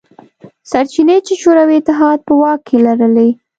سرچینې چې شوروي اتحاد په واک کې لرلې.